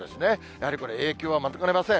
やはりこれ、影響は免れません。